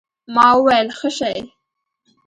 ما وويل ښه شى.